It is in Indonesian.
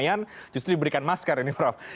ya tentu pemerintah kan